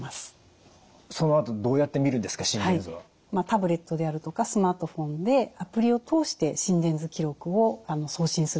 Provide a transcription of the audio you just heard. タブレットであるとかスマートフォンでアプリを通して心電図記録を送信することが可能です。